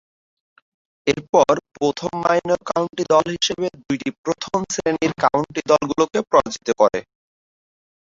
এরপর, প্রথম minor county দল হিসেবে দুইটি প্রথম-শ্রেণীর কাউন্টি দলগুলোকে পরাজিত করে।